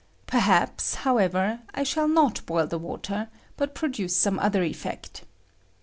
Per haps, however, I shall not boil the water, but produce some other effect.